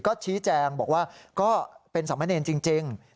ก็ชี้แจงบอกว่าก็เป็นสามเณรจริง